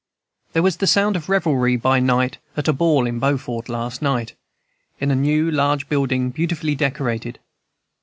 "There was the sound of revelry by night at a ball in Beaufort last night, in a new large building beautifully decorated.